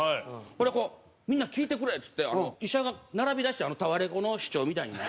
ほんでこう「みんな聞いてくれ」っつって医者が並びだしてタワレコの視聴みたいにね。